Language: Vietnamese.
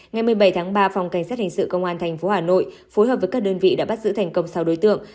ngày một mươi bảy tháng ba phòng cảnh sát hình sự công an tp hà nội phối hợp với các đơn vị đã bắt giữ thành công sáu đối tượng